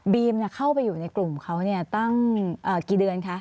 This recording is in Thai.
เข้าไปอยู่ในกลุ่มเขาตั้งกี่เดือนคะ